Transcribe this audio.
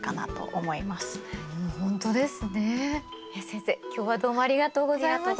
先生今日はどうもありがとうございました。